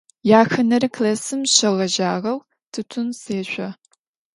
Yaxenere klassım şeğejağeu tutın sêşso.